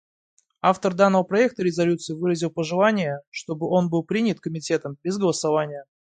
Автор данного проекта резолюции выразил пожелание, чтобы он был принят Комитетом без голосования.